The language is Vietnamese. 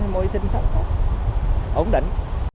môi sinh sống tốt ổn định